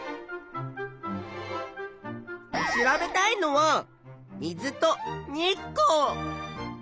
調べたいのは水と日光。